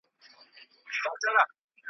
هیله انسان پیاوړی کوي.